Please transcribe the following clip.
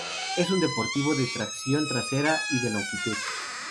Es un deportivo de tracción trasera y de longitud.